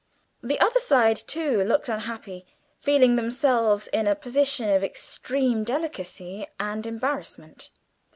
The other side too looked unhappy, feeling themselves in a position of extreme delicacy and embarrassment.